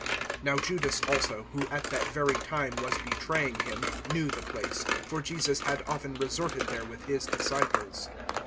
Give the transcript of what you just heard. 018:002 Now Judas also, who at that very time was betraying Him, knew the place, for Jesus had often resorted there with His disciples.